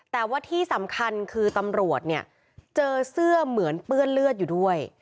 แต่ว่าที่สำคัญคือตำรวจเนี่ยเจอเสื้อเหมือนเปื้อนเลือดอยู่ด้วย